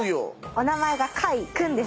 お名前がカイくんです。